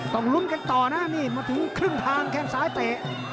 ต้องลุ้นกันต่อนะนี่มาถึงครึ่งทางแข้งซ้ายเตะ